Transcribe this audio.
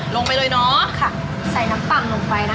ลงไปเลยเนอะค่ะใส่น้ำปังลงไปนะคะ